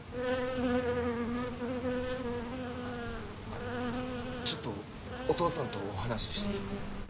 あっあのちょっとお義父さんとお話してきます。